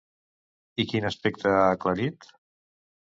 I quin aspecte ha aclarit?